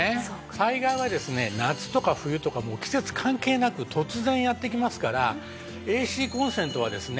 災害はですね夏とか冬とかもう季節関係なく突然やってきますからＡＣコンセントはですね